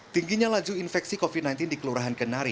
tingginya laju infeksi covid sembilan belas di kelurahan kenari